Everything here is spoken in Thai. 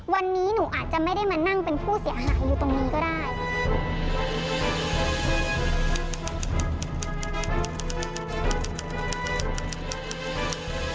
วันนี้หนูอาจจะไม่ได้มานั่งเป็นผู้เสียหายอยู่ตรงนี้ก็ได้